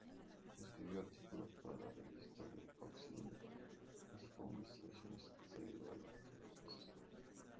Escribió artículos para la Revista de Occidente, así como investigaciones teológicas.